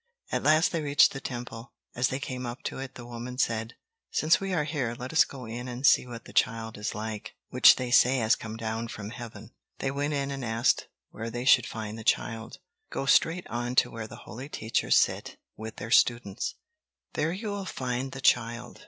At last they reached the Temple. As they came up to it, the woman said: "Since we are here, let us go in and see what the child is like, which they say has come down from heaven!" They went in and asked where they should find the child. "Go straight on to where the holy teachers sit with their students. There you will find the child.